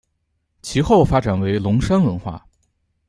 其后发展为龙山文化。